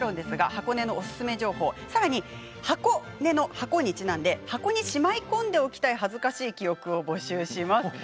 箱根の箱にちなんで箱にしまい込んでおきたい恥ずかしい記憶を募集します。